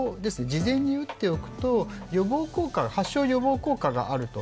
事前に打っておくと発症予防効果があると。